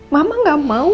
mama gak mau